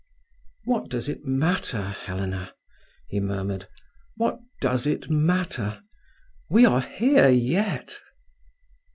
"What does it matter, Helena?" he murmured. "What does it matter? We are here yet."